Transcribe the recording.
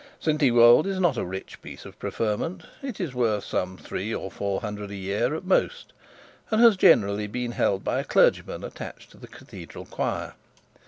St Ewold is not a rich piece of preferment it is worth some three or four hundred a year, at most, and has generally been held by a clergyman attached to the cathedral choir.